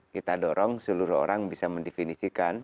kita dorong seluruh orang bisa mendefinisikan